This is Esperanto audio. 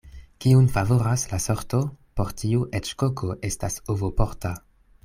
Kiun favoras la sorto, por tiu eĉ koko estas ovoporta.